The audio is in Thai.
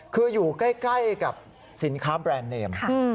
คืออยู่ใกล้กับสินค้าแบรนด์เนม